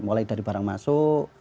mulai dari barang masuk